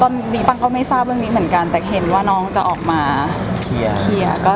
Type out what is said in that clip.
ตอนนี้ปั้งก็ไม่ทราบเรื่องนี้เหมือนกันแต่เห็นว่าน้องจะออกมาเคลียร์